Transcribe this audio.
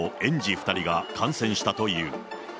２人が感染したという。